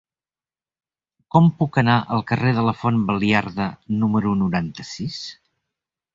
Com puc anar al carrer de la Font Baliarda número noranta-sis?